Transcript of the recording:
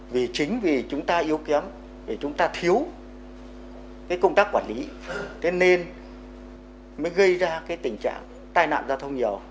vì chính vì chúng ta yêu kém vì chúng ta thiếu công tác quản lý thế nên mới gây ra tình trạng tai nạn giao thông nhiều